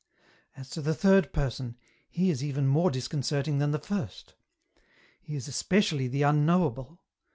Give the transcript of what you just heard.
" As to the third Person, He is even more disconcerting than the first. He is especially the unknowable.